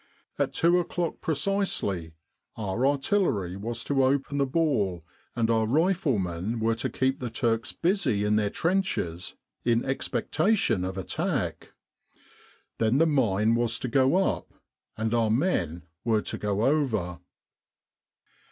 At two o'clock precisely our artillery was to open the ball, and our riflemen were to keep the Turks busy in their trenches in expectation of attack. Then the mine was to go up, and our men were to go over.